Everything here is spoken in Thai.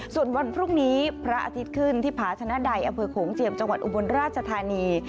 ส่วนวันพรุ่งนี้พระอาทิตย์ขึ้นที่ผาชนะใดอำเภอโขงเจียมจังหวัดอุบลราชธานี